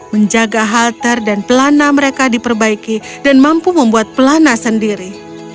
menjaga halter dan pelana mereka diperbaiki dan mampu membuat pelana sendiri